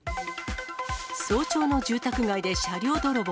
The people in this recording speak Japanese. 早朝の住宅街で車両泥棒。